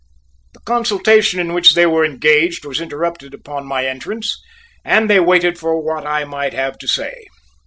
The consultation in which they were engaged was interrupted upon my entrance and they waited for what I might have to say.